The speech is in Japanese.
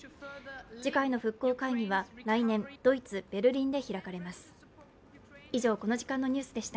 次回の復興会議は来年ドイツ・ベルリンで開かれます。